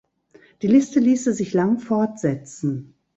Die Liste ließe sich lang fortsetzen.